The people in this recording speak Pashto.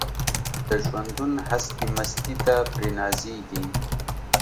د ژوندون هستي مستي ده پرې نازیږي